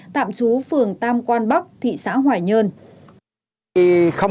tạm trú phường tam quan bắc thị xã hoài nhơn